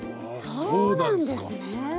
そうなんですね。